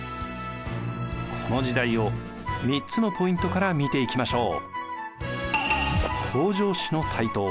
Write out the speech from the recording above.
この時代を３つのポイントから見ていきましょう。